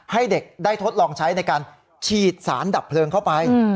ให้เด็กได้ทดลองใช้ในการฉีดสารดับเพลิงเข้าไป